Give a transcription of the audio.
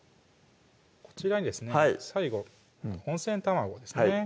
こちらにですね最後温泉卵ですね